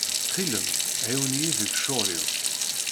Ttxil-m ɛiwen-iyi deg ccɣel-iw.